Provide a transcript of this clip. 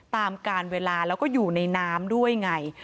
ตามการเวลาแล้วก็อยู่ในน้ำด้วยไง